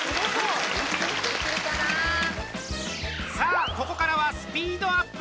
さあ、ここからはスピードアップ！